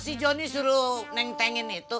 si joni suruh nengtengin itu